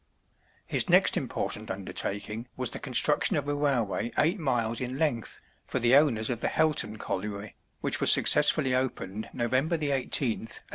His next important undertaking was the construction of a railway eight miles in length, for the owners of the Helton Colliery, which was successfully opened November 18th, 1822.